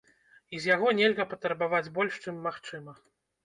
І з яго нельга патрабаваць больш, чым магчыма.